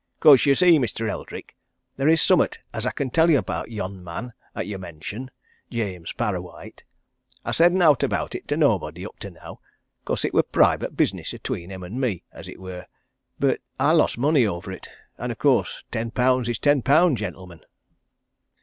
'Cause you see, Mr. Eldrick, there is summat as I can tell about yon man 'at you mention James Parrawhite. I've said nowt about it to nobody, up to now, 'cause it were private business atween him and me, as it were, but I lost money over it, and of course, ten pound is ten pound, gentlemen."